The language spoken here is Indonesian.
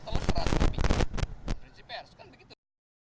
tapi prinsip pers kan begitu